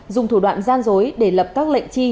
dùng thủ đoạn gian dối để lập các lệnh chi